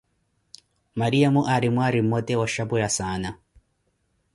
Maryamo aari mwaari mmote, wooshapweya saana